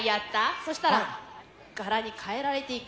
そしたら柄に変えられていく。